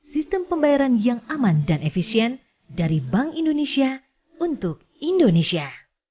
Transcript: sistem pembayaran yang aman dan efisien dari bank indonesia untuk indonesia